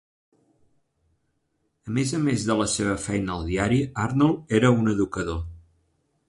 A més a més de la seva feina al diari, Arnold era un educador.